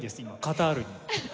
カタールに。